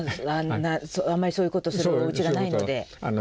あんまりそういうことするおうちがないので。